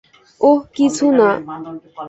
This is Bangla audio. ওহ, কিছু না।